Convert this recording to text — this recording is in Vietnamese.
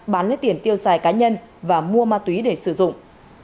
bán lấy tiền tiêu xài cá nhân và mua ma túy để sử dụng